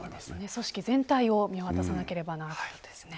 組織全体を見渡さなければならないですね。